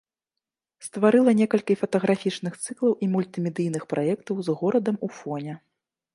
Стварыла некалькі фатаграфічных цыклаў і мультымедыйных праектаў з горадам у фоне.